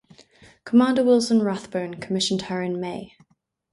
Commander Wilson Rathbone commissioned her in May.